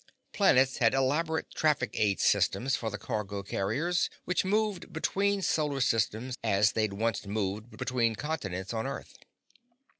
Planets had elaborate traffic aid systems for the cargo carriers which moved between solar systems as they'd once moved between continents on Earth.